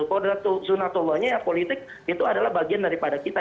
kalau sunatullahnya ya politik itu adalah bagian daripada kita